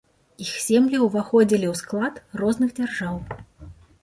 Іх землі ўваходзілі ў склад розных дзяржаў.